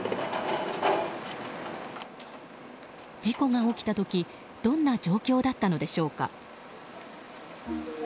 事故が起きた時どんな状況だったのでしょうか？